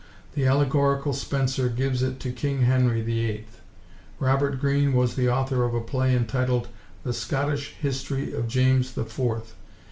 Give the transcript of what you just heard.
The allegorical Spenser gives it to King Henry the Eighth. Robert Greene was the author of a play entitled "The Scottishe history of James the Fourthe